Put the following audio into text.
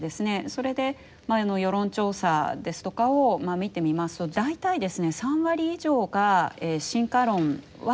それで世論調査ですとかを見てみますと大体ですね３割以上が進化論は信じないというですね